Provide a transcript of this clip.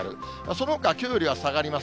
そのほかはきょうよりは下がりま